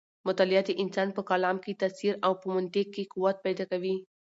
مطالعه د انسان په کلام کې تاثیر او په منطق کې قوت پیدا کوي.